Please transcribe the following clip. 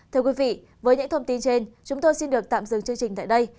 thưa quý vị với những thông tin trên chúng tôi xin được tạm dừng chương trình tại đây